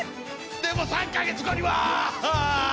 でも３か月後には！